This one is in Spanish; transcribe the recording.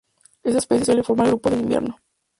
Esta especie suele formar grupos en invierno.